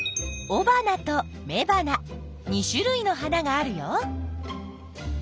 おばなとめばな２種類の花があるよ。